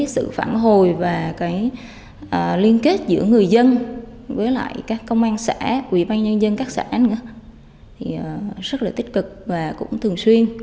sự phản hồi và liên kết giữa người dân với lại các công an xã quỹ ban nhân dân các xã rất là tích cực và cũng thường xuyên